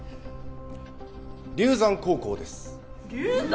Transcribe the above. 龍山高校です龍山？